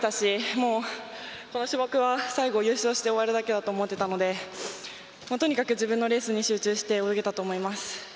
もうこの種目は最後優勝して終わるだけだと思っていたのでとにかく自分のレースに集中して泳げたと思います。